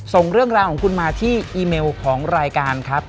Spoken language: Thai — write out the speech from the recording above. ส่งเรื่องราวของคุณมาที่อีเมลของรายการครับ